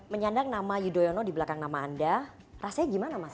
menyandang nama yudhoyono di belakang nama anda rasanya bagaimana